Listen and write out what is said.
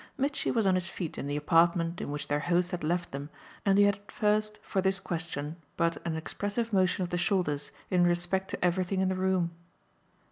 Mitchy was on his feet in the apartment in which their host had left them, and he had at first for this question but an expressive motion of the shoulders in respect to everything in the room.